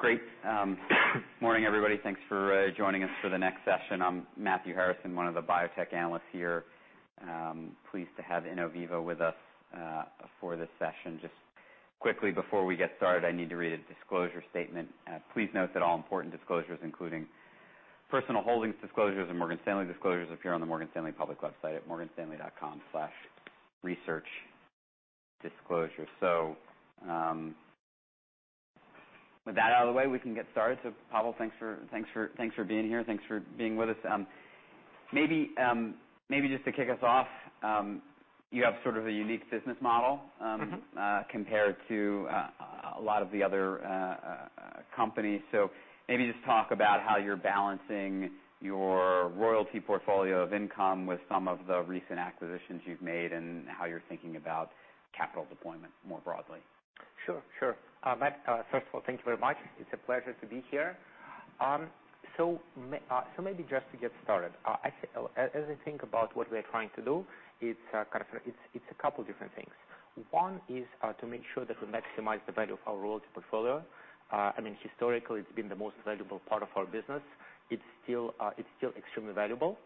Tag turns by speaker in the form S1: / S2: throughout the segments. S1: Great. Morning, everybody. Thanks for joining us for the next session. I'm Matthew Harrison, one of the biotech analysts here. Pleased to have Innoviva with us for this session. Just quickly before we get started, I need to read a disclosure statement. Please note that all important disclosures, including personal holdings disclosures and Morgan Stanley disclosures appear on the Morgan Stanley public website at morganstanley.com/researchdisclosures. With that out of the way, we can get started. Pavel, thanks for being here. Thanks for being with us. Maybe just to kick us off, you have sort of a unique business model.
S2: Mm-hmm
S1: Compared to a lot of the other companies. Maybe just talk about how you're balancing your royalty portfolio of income with some of the recent acquisitions you've made, and how you're thinking about capital deployment more broadly.
S2: Sure. Matt, first of all, thank you very much. It's a pleasure to be here. So maybe just to get started, as I think about what we're trying to do, it's kind of a couple different things. One is to make sure that we maximize the value of our royalty portfolio. I mean, historically, it's been the most valuable part of our business. It's still extremely valuable.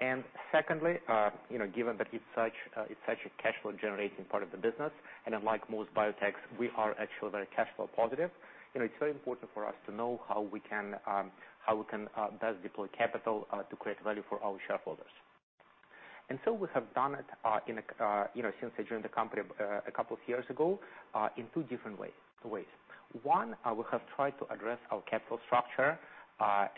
S2: And secondly, you know, given that it's such a cash flow generating part of the business, and unlike most biotechs, we are actually very cash flow positive. You know, it's very important for us to know how we can best deploy capital to create value for our shareholders. We have done it in a you know since I joined the company a couple of years ago in two different ways. One, we have tried to address our capital structure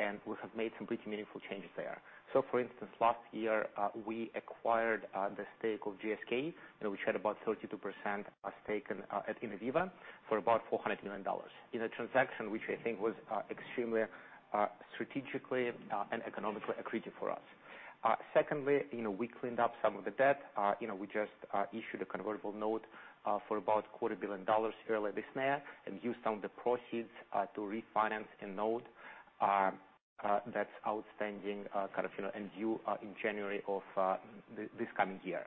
S2: and we have made some pretty meaningful changes there. For instance, last year we acquired the stake of GSK you know which had about 32% a stake in Innoviva for about $400 million in a transaction which I think was extremely strategically and economically accretive for us. Secondly, you know, we cleaned up some of the debt. You know, we just issued a convertible note for about $250,000,000 earlier this year and used some of the proceeds to refinance a note that's outstanding, kind of, you know, and due in January of this coming year.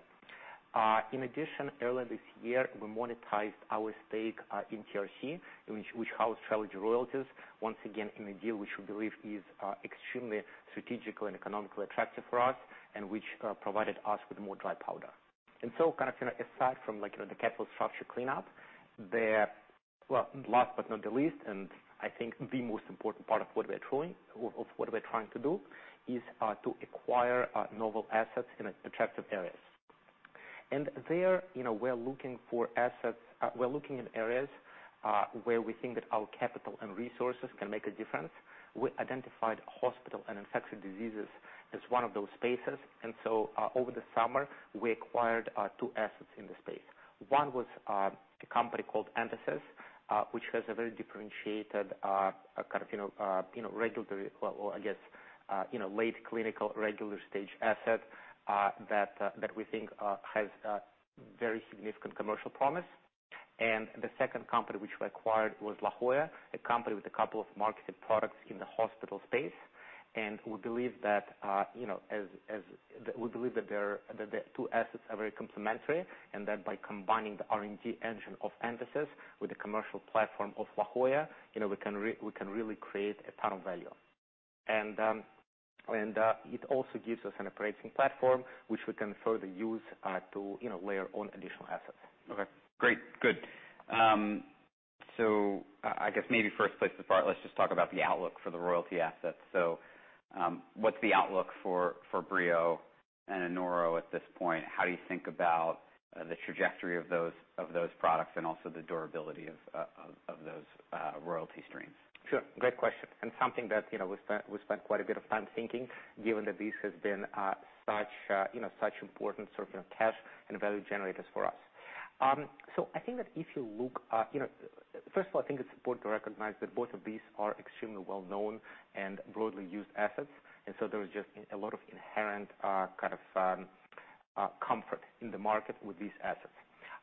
S2: In addition, earlier this year, we monetized our stake in TRC, which houses TRELEGY Royalties, once again in a deal which we believe is extremely strategically and economically attractive for us and which provided us with more dry powder. Kind of, you know, aside from like, you know, the capital structure cleanup. Well, last but not least, I think the most important part of what we're trying to do is to acquire novel assets in attractive areas. There, you know, we're looking in areas where we think that our capital and resources can make a difference. We identified hospital and infectious diseases as one of those spaces. Over the summer, we acquired two assets in the space. One was a company called Entasis, which has a very differentiated kind of, you know, regulatory, or I guess, late clinical-stage asset that we think has very significant commercial promise. The second company which we acquired was La Jolla, a company with a couple of marketed products in the hospital space. We believe that the two assets are very complementary, and that by combining the R&D engine of Entasis with the commercial platform of La Jolla, you know, we can really create a ton of value. It also gives us an operating platform which we can further use to, you know, layer on additional assets.
S1: Okay, great. Good. I guess maybe first place to start, let's just talk about the outlook for the royalty assets. What's the outlook for BREO and ANORO at this point? How do you think about the trajectory of those products and also the durability of those royalty streams?
S2: Sure. Great question, and something that, you know, we spent quite a bit of time thinking, given that this has been, such, you know, such important sort of cash and value generators for us. I think that if you look, you know. First of all, I think it's important to recognize that both of these are extremely well known and broadly used assets. There is just a lot of inherent, kind of, comfort in the market with these assets.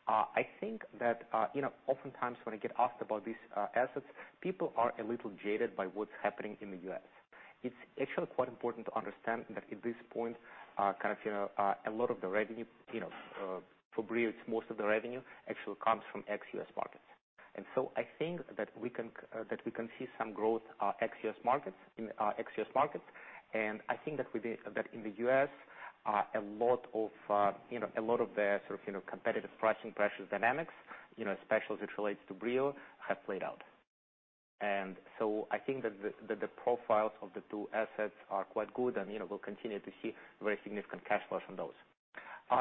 S2: I think that, you know, oftentimes when I get asked about these assets, people are a little jaded by what's happening in the U.S. It's actually quite important to understand that at this point, kind of, you know, a lot of the revenue, you know, for BREO. It's most of the revenue actually comes from ex-U.S. markets. I think that we can see some growth in ex-U.S. markets. I think that in the U.S., a lot of you know, a lot of the sort of, you know, competitive pricing pressure dynamics, you know, especially as it relates to BREO, have played out. I think that the profiles of the two assets are quite good and, you know, we'll continue to see very significant cash flows from those.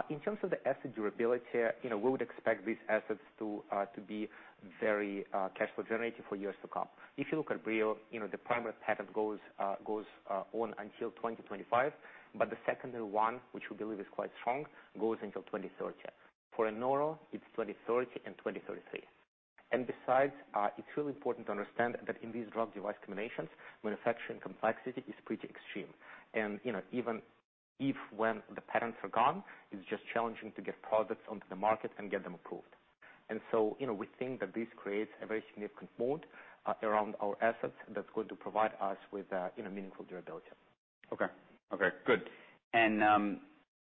S2: In terms of the asset durability, you know, we would expect these assets to be very cash flow generative for years to come. If you look at BREO, you know, the primary patent goes on until 2025, but the secondary one, which we believe is quite strong, goes until 2030. For ANORO, it's 2030 and 2033. Besides, it's really important to understand that in these drug device combinations, manufacturing complexity is pretty extreme. You know, even if when the patents are gone, it's just challenging to get products onto the market and get them approved. We think that this creates a very significant moat around our assets that's going to provide us with meaningful durability.
S1: Okay. Okay, good.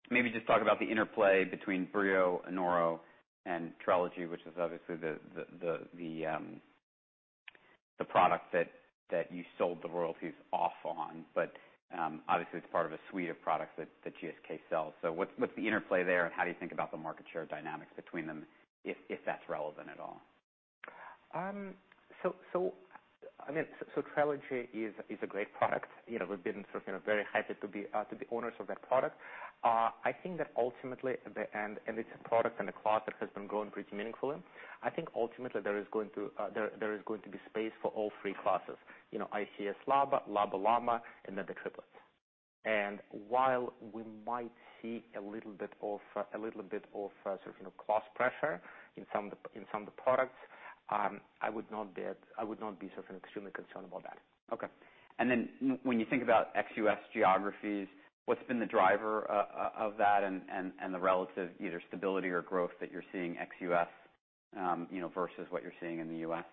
S1: Maybe just talk about the interplay between BREO, ANORO, and TRELEGY, which is obviously the product that you sold the royalties off on. Obviously it's part of a suite of products that GSK sells. What's the interplay there, and how do you think about the market share dynamics between them, if that's relevant at all?
S2: TRELEGY is a great product. You know, we've been sort of, you know, very happy to be owners of that product. I think that ultimately, it's a product and a class that has been growing pretty meaningfully. I think ultimately there is going to be space for all three classes. You know, ICS, LABA/LAMA, and then the triplets. While we might see a little bit of sort of, you know, class pressure in some of the products, I would not be sort of extremely concerned about that.
S1: Okay. When you think about ex-U.S. geographies, what's been the driver of that and the relative either stability or growth that you're seeing ex-U.S., you know, versus what you're seeing in the U.S.?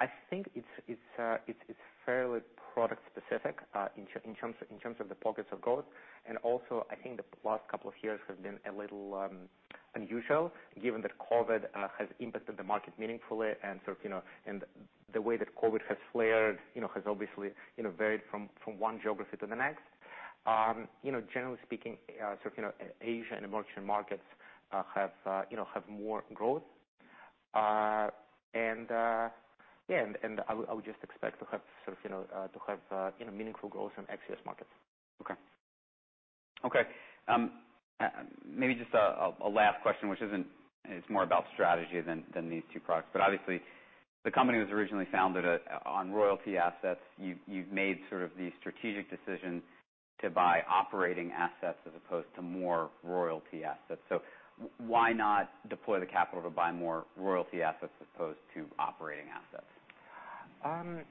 S2: I think it's fairly product specific in terms of the pockets of growth. Also, I think the last couple of years have been a little unusual given that COVID has impacted the market meaningfully. Sort of, you know, and the way that COVID has flared, you know, has obviously, you know, varied from one geography to the next. You know, generally speaking, sort of, you know, Asia and emerging markets, you know, have more growth. I would just expect to have sort of, you know, meaningful growth in ex-U.S. markets.
S1: Okay. Maybe just a last question, which isn't. It's more about strategy than these two products. Obviously the company was originally founded on royalty assets. You've made sort of the strategic decision to buy operating assets as opposed to more royalty assets. Why not deploy the capital to buy more royalty assets as opposed to operating assets?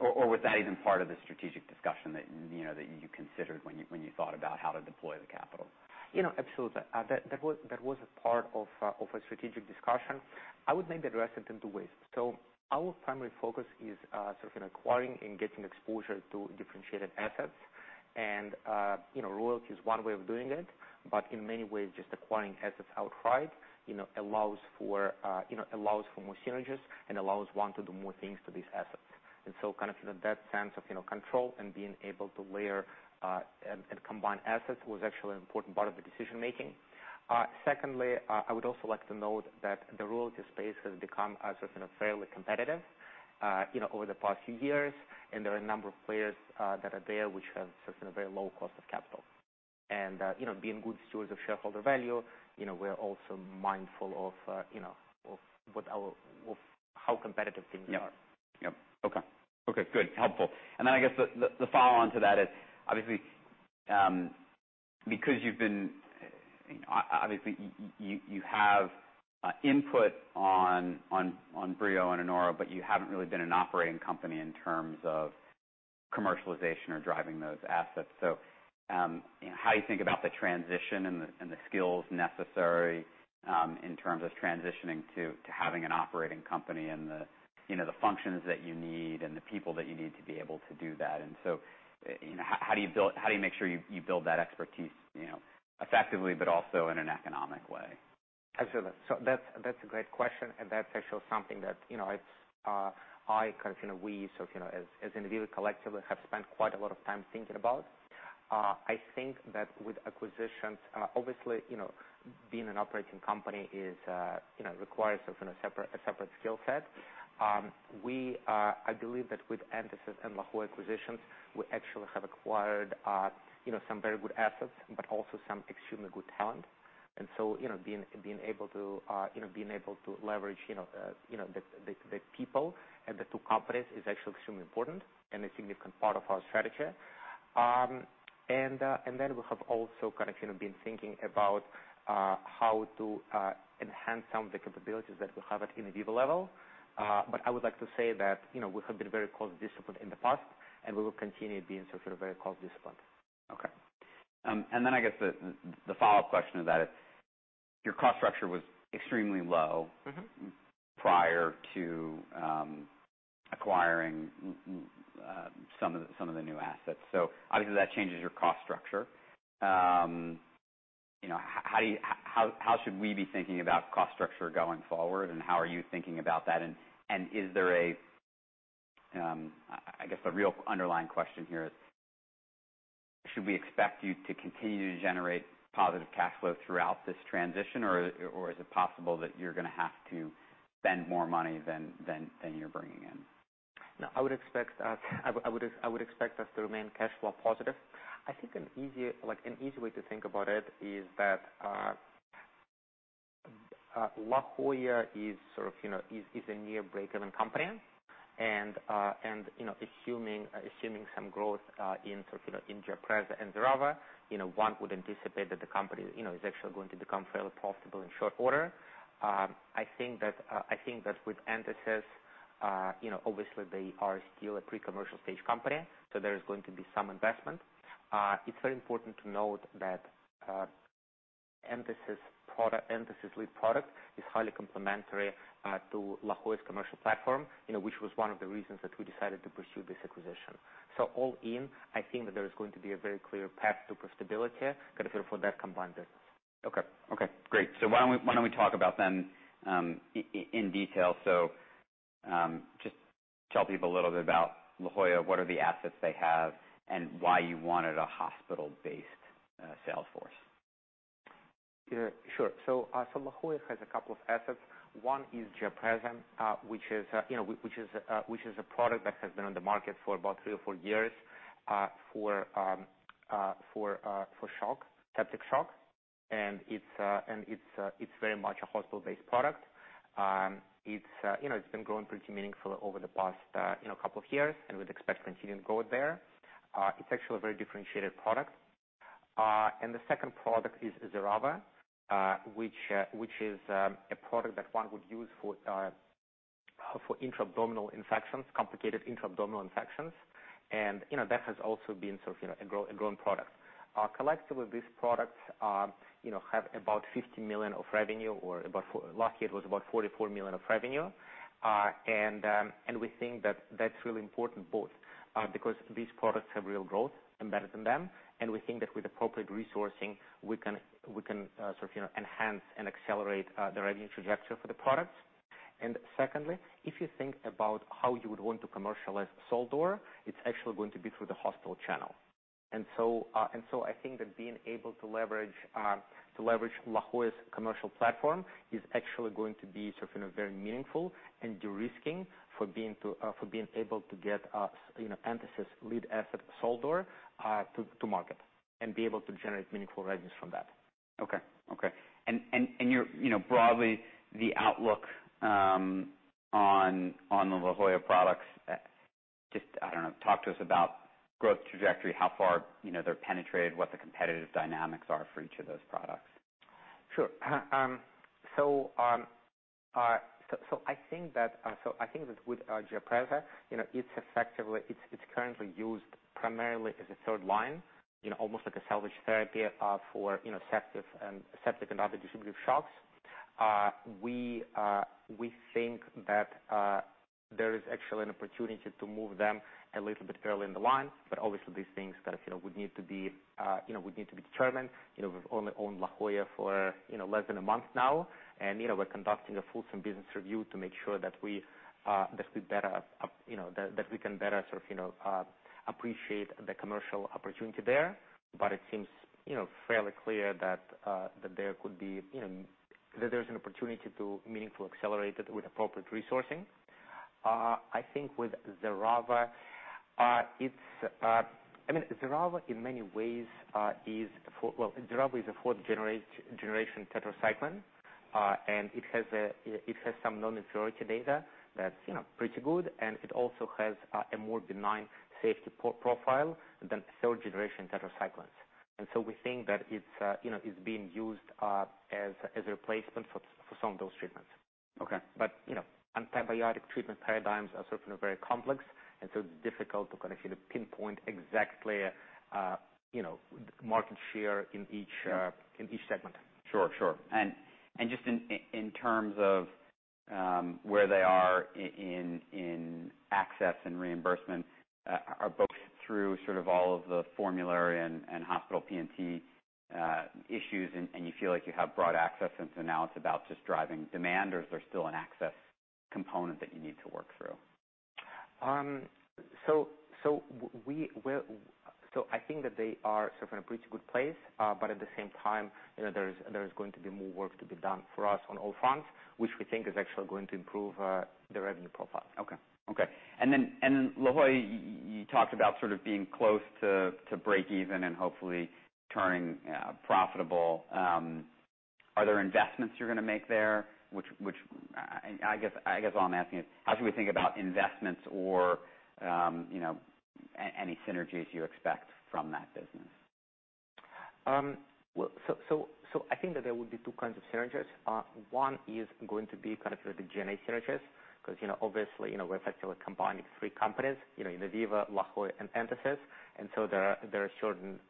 S2: Um-
S1: Was that even part of the strategic discussion that, you know, that you considered when you thought about how to deploy the capital?
S2: You know, absolutely. That was a part of a strategic discussion. I would make the argument in two ways. Our primary focus is sort of in acquiring and getting exposure to differentiated assets. You know, royalty is one way of doing it, but in many ways, just acquiring assets outright allows for more synergies and allows one to do more things to these assets. Kind of from that sense of you know, control and being able to layer and combine assets was actually an important part of the decision making. Secondly, I would also like to note that the royalty space has become sort of fairly competitive, you know, over the past few years, and there are a number of players that are there which have sort of a very low cost of capital. You know, being good stewards of shareholder value, you know, we're also mindful of, you know, of how competitive things are.
S1: Yeah. Okay, good. Helpful. I guess the follow on to that is obviously, because you've been. You know, obviously, you have input on BREO and ANORO, but you haven't really been an operating company in terms of commercialization or driving those assets. How you think about the transition and the skills necessary, in terms of transitioning to having an operating company and the functions that you need and the people that you need to be able to do that. You know, how do you make sure you build that expertise, you know, effectively, but also in an economic way?
S2: Absolutely. That's a great question, and that's actually something that, you know, it's I kind of, you know, we sort of, you know, as Innoviva collectively have spent quite a lot of time thinking about. I think that with acquisitions, obviously, you know, being an operating company is, you know, requires sort of a separate skill set. I believe that with Entasis and La Jolla acquisitions, we actually have acquired, you know, some very good assets, but also some extremely good talent. You know, being able to leverage, you know, the people at the two companies is actually extremely important and a significant part of our strategy. We have also kind of, you know, been thinking about how to enhance some of the capabilities that we have at Innoviva level. I would like to say that, you know, we have been very cost disciplined in the past, and we will continue being sort of very cost disciplined.
S1: Okay. I guess the follow-up question to that is, your cost structure was extremely low.
S2: Mm-hmm.
S1: Prior to acquiring some of the new assets. Obviously that changes your cost structure. You know, how should we be thinking about cost structure going forward, and how are you thinking about that? Is there a, I guess the real underlying question here is, should we expect you to continue to generate positive cash flow throughout this transition, or is it possible that you're gonna have to spend more money than you're bringing in?
S2: No, I would expect us to remain cash flow positive. I think an easy, like, way to think about it is that La Jolla is sort of, you know, a near break-even company. You know, assuming some growth in sort of, you know, in GIAPREZA and XERAVA, you know, one would anticipate that the company, you know, is actually going to become fairly profitable in short order. I think that with Entasis, you know, obviously they are still a pre-commercial stage company, so there is going to be some investment. It's very important to note that Entasis product, Entasis lead product is highly complementary to La Jolla's commercial platform, you know, which was one of the reasons that we decided to pursue this acquisition. All in, I think that there is going to be a very clear path to profitability kind of for that combined business.
S1: Okay. Okay, great. Why don't we talk about them in detail. Just tell people a little bit about La Jolla, what are the assets they have and why you wanted a hospital-based sales force?
S2: Yeah, sure. La Jolla has a couple of assets. One is GIAPREZA, you know, which is a product that has been on the market for about three or four years, for shock, septic shock. It's very much a hospital-based product. It's been growing pretty meaningful over the past couple of years, and we'd expect continued growth there. It's actually a very differentiated product. The second product is XERAVA, which is a product that one would use for intra-abdominal infections, complicated intra-abdominal infections. You know, that has also been sort of a growing product. Collectively, these products, you know, have about $50 million of revenue or last year it was about $44 million of revenue. We think that that's really important both because these products have real growth embedded in them, and we think that with appropriate resourcing, we can sort of, you know, enhance and accelerate the revenue trajectory for the products. Secondly, if you think about how you would want to commercialize SUL-DUR, it's actually going to be through the hospital channel. I think that being able to leverage La Jolla's commercial platform is actually going to be sort of, you know, very meaningful and de-risking for being able to get, you know, Entasis lead asset SUL-DUR to market and be able to generate meaningful revenues from that.
S1: Okay, you know, broadly the outlook on the La Jolla products. Just, I don't know, talk to us about growth trajectory, how far, you know, they're penetrated, what the competitive dynamics are for each of those products.
S2: Sure. I think that with GIAPREZA, you know, it's effectively currently used primarily as a third line, you know, almost like a salvage therapy for you know, septic and other distributive shock. We think that there is actually an opportunity to move them a little bit early in the line, but obviously these things kind of, you know, would need to be determined. You know, we've only owned La Jolla for, you know, less than a month now. You know, we're conducting a full send business review to make sure that we can better sort of, you know, appreciate the commercial opportunity there. It seems, you know, fairly clear that there could be, you know, that there's an opportunity to meaningfully accelerate it with appropriate resourcing. I think with XERAVA, it's, I mean, XERAVA in many ways, Well, XERAVA is a fourth generation tetracycline, and it has some non-inferiority data that's, you know, pretty good, and it also has a more benign safety profile than third generation tetracyclines. We think that it's, you know, it's being used as a replacement for some of those treatments.
S1: Okay.
S2: You know, antibiotic treatment paradigms are sort of, you know, very complex, and so it's difficult to kind of, you know, pinpoint exactly, you know, market share in each segment.
S1: Sure, sure. Just in terms of where they are in access and reimbursement, are both through sort of all of the formulary and hospital P&T issues and you feel like you have broad access, and so now it's about just driving demand, or is there still an access component that you need to work through?
S2: I think that they are sort of in a pretty good place, but at the same time, you know, there's going to be more work to be done for us on all fronts, which we think is actually going to improve the revenue profile.
S1: Okay. La Jolla, you talked about sort of being close to break even and hopefully turning profitable. Are there investments you're gonna make there? Which, I guess, all I'm asking is how should we think about investments or, you know, any synergies you expect from that business?
S2: Well, I think that there will be two kinds of synergies. One is going to be kind of, you know, the G&A synergies, 'cause, you know, obviously, you know, we're effectively combining three companies, you know, in Innoviva, La Jolla, and Entasis. There are certain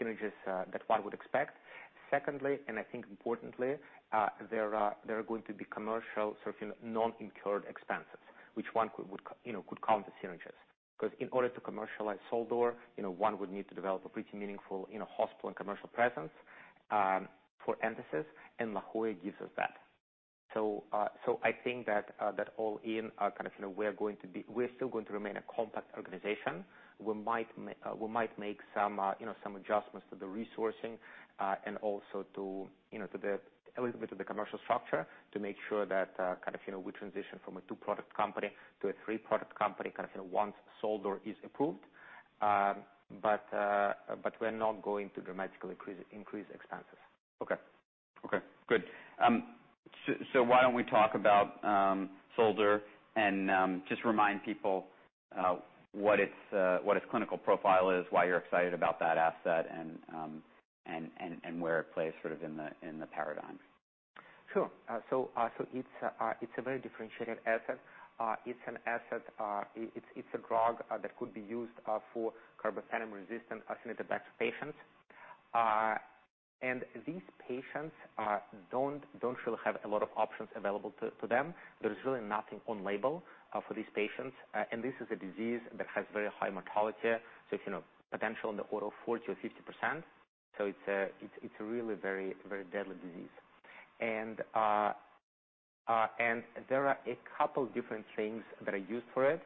S2: synergies that one would expect. Secondly, and I think importantly, there are going to be commercial sort of, you know, non-recurring expenses, which one could count as synergies. Because in order to commercialize SUL-DUR, you know, one would need to develop a pretty meaningful, you know, hospital and commercial presence for Entasis, and La Jolla gives us that. I think that all in, kind of, you know, we're still going to remain a compact organization. We might make some adjustments to the resourcing and also to a little bit of the commercial structure to make sure that, kind of, you know, we transition from a two-product company to a three-product company, kind of, you know, once SUL-DUR is approved. We're not going to dramatically increase expenses.
S1: Okay, good. So why don't we talk about SUL-DUR and just remind people what its clinical profile is, why you're excited about that asset and where it plays sort of in the paradigm.
S2: Sure. So it's a very differentiated asset. It's an asset. It's a drug that could be used for carbapenem-resistant Acinetobacter patients. These patients don't really have a lot of options available to them. There is really nothing on label for these patients. This is a disease that has very high mortality. It's potential in the order of 40%-50%, you know. It's a really very deadly disease. There are a couple different things that are used for it.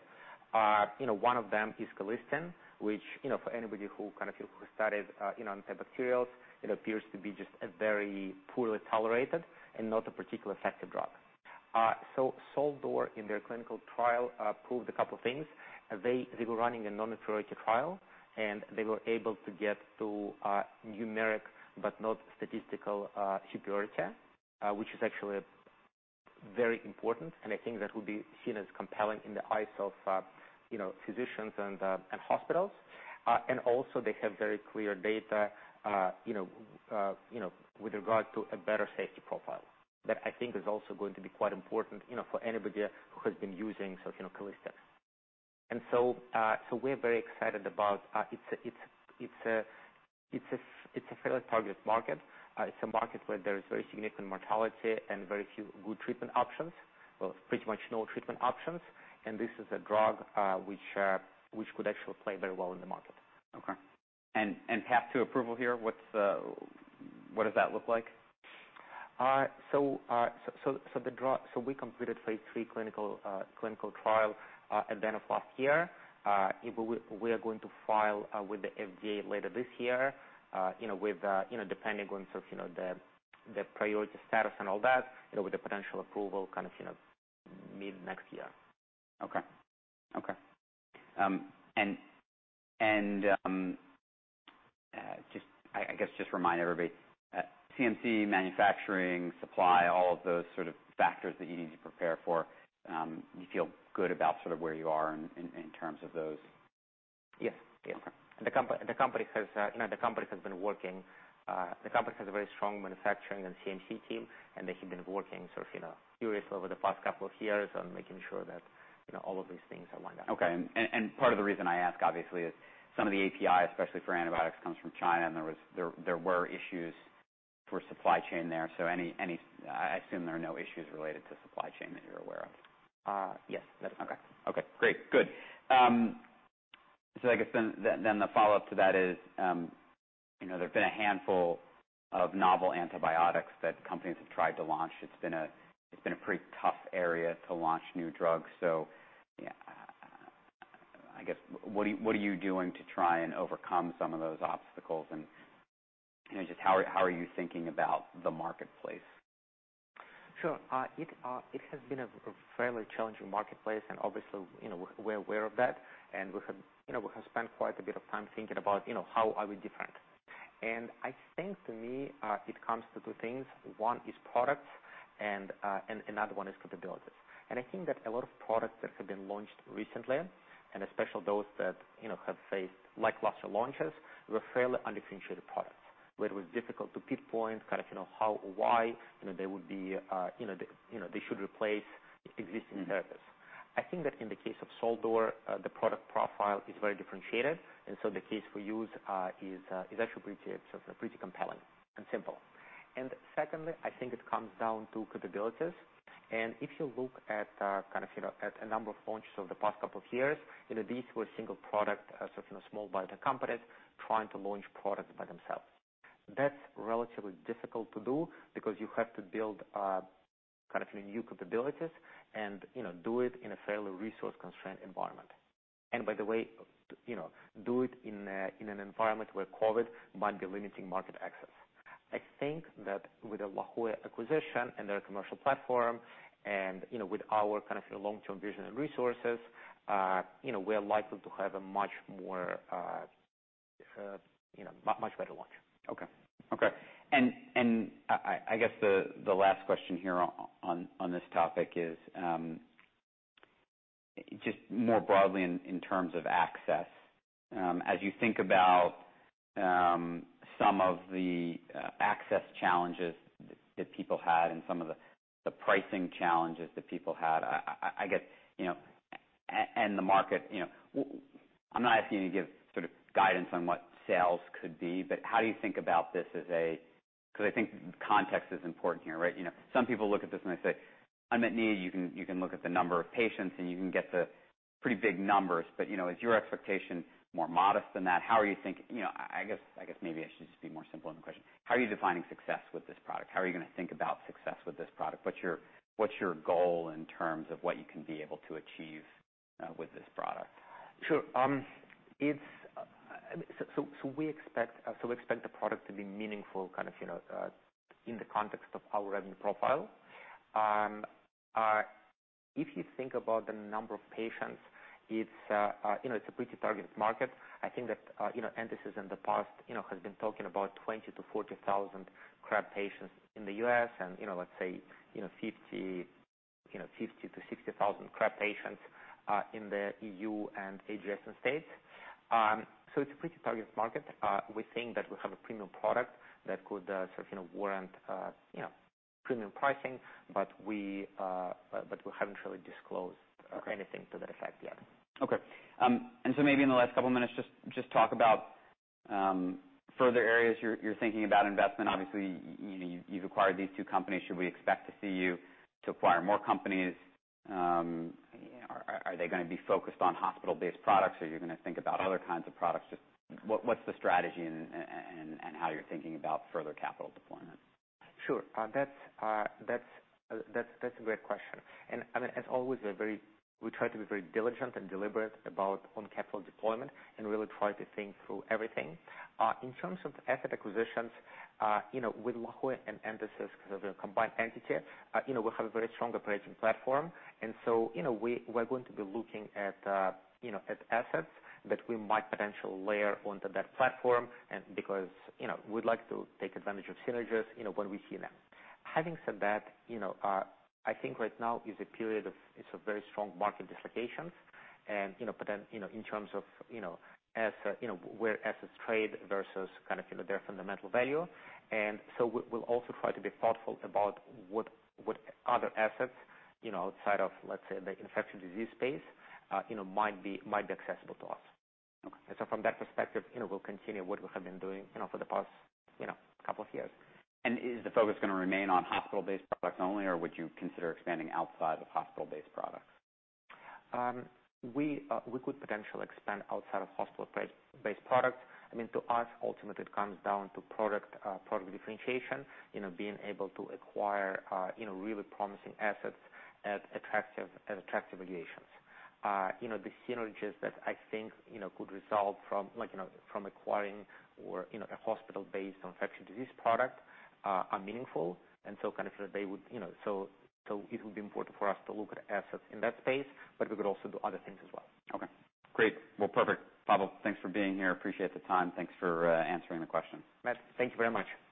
S2: You know, one of them is colistin, which, you know, for anybody who kind of studied, you know, antibacterial, it appears to be just a very poorly tolerated and not particularly effective drug. SUL-DUR in their clinical trial proved a couple things. They were running a non-inferiority trial, and they were able to get to numeric but not statistical superiority, which is actually very important, and I think that will be seen as compelling in the eyes of, you know, physicians and hospitals. Also, they have very clear data, you know, with regard to a better safety profile. That, I think, is also going to be quite important, you know, for anybody who has been using, you know, colistin. We're very excited about it. It's a fairly targeted market. It's a market where there is very significant mortality and very few good treatment options. Well, pretty much no treatment options. This is a drug, which could actually play very well in the market.
S1: Okay. Path to approval here, what does that look like?
S2: We completed phase III clinical trial at the end of last year. We are going to file with the FDA later this year, you know, with, you know, depending on sort of, you know, the priority status and all that. It will be the potential approval kind of, you know, mid next year.
S1: Okay. Just, I guess, just remind everybody, CMC manufacturing, supply, all of those sort of factors that you need to prepare for, you feel good about sort of where you are in terms of those?
S2: Yes. Yes.
S1: Okay.
S2: The company has, you know, the company has been working, the company has a very strong manufacturing and CMC team, and they have been working sort of, you know, furiously over the past couple of years on making sure that, you know, all of these things are lined up.
S1: Okay. Part of the reason I ask obviously is some of the API, especially for antibiotics, comes from China and there were issues for supply chain there. I assume there are no issues related to supply chain that you're aware of.
S2: Yes. That's true.
S1: Okay. Great. Good. I guess then the follow-up to that is, you know, there have been a handful of novel antibiotics that companies have tried to launch. It's been a pretty tough area to launch new drugs. Yeah, I guess what are you doing to try and overcome some of those obstacles? You know, just how are you thinking about the marketplace?
S2: Sure. It has been a fairly challenging marketplace and obviously, you know, we're aware of that and we have, you know, we have spent quite a bit of time thinking about, you know, how are we different. I think to me, it comes to two things. One is products and another one is capabilities. I think that a lot of products that have been launched recently, and especially those that, you know, have faced lackluster launches, were fairly undifferentiated products, where it was difficult to pinpoint kind of, you know, how or why, you know, they would be, you know, they should replace existing therapies.
S1: Mm-hmm.
S2: I think that in the case of SUL-DUR, the product profile is very differentiated, and so the case we use is actually pretty, sort of pretty compelling and simple. Secondly, I think it comes down to capabilities. If you look at kind of, you know, at a number of launches over the past couple of years, you know, these were single product sort of, you know, small biotech companies trying to launch products by themselves. That's relatively difficult to do because you have to build kind of, you know, new capabilities and, you know, do it in a fairly resource-constrained environment. By the way, you know, do it in an environment where COVID might be limiting market access. I think that with the La Jolla acquisition and their commercial platform and, you know, with our kind of, you know, long-term vision and resources, you know, we are likely to have a much more much better launch.
S1: Okay. I guess the last question here on this topic is just more broadly in terms of access, as you think about some of the access challenges that people had and some of the pricing challenges that people had. I get, you know, and the market, you know, I'm not asking you to give sort of guidance on what sales could be, but how do you think about this? 'Cause I think context is important here, right? You know, some people look at this and they say, unmet need, you can look at the number of patients and you can get the pretty big numbers. You know, is your expectation more modest than that? You know, I guess maybe I should just be more simple in the question. How are you defining success with this product? How are you gonna think about success with this product? What's your goal in terms of what you can be able to achieve with this product?
S2: We expect the product to be meaningful kind of, you know, in the context of our revenue profile. If you think about the number of patients, it's, you know, a pretty targeted market. I think that, you know, Entasis in the past, you know, has been talking about 20,000-40,000 CRAB patients in the U.S. and, you know, let's say, you know, 50,000-60,000 CRAB patients in the EU and GCC States. It's a pretty targeted market. We think that we have a premium product that could, sort of, you know, warrant, you know, premium pricing. We haven't really disclosed anything to that effect yet.
S1: Okay. Maybe in the last couple minutes, just talk about further areas you're thinking about investment. Obviously you've acquired these two companies. Should we expect to see you to acquire more companies? Are they gonna be focused on hospital-based products? Are you gonna think about other kinds of products? Just what's the strategy and how you're thinking about further capital deployment?
S2: Sure. That's a great question. I mean, as always, we try to be very diligent and deliberate about capital deployment and really try to think through everything. In terms of asset acquisitions, you know, with La Jolla and Entasis as a combined entity, you know, we have a very strong operating platform. We're going to be looking at, you know, at assets that we might potentially layer onto that platform and because, you know, we'd like to take advantage of synergies, you know, when we see them. Having said that, you know, I think right now is a period of very strong market dislocation and, you know, but then, you know, in terms of assets where assets trade versus kind of, you know, their fundamental value. We'll also try to be thoughtful about what other assets, you know, outside of, let's say, the infectious disease space, you know, might be accessible to us.
S1: Okay.
S2: From that perspective, you know, we'll continue what we have been doing, you know, for the past, you know, couple of years.
S1: Is the focus gonna remain on hospital-based products only? Or would you consider expanding outside of hospital-based products?
S2: We could potentially expand outside of hospital-based products. I mean, to us, ultimately, it comes down to product differentiation, you know, being able to acquire, you know, really promising assets at attractive valuations. You know, the synergies that I think, you know, could result from like, you know, from acquiring or, you know, a hospital-based infectious disease product are meaningful and so kind of they would, you know, so it would be important for us to look at assets in that space, but we could also do other things as well.
S1: Okay. Great. Well, perfect. Pavel, thanks for being here. Appreciate the time. Thanks for answering the questions.
S2: Matt, thank you very much.